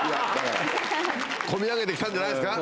こみ上げてきたんじゃないですか。